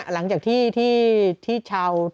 หลังจากที่ชาว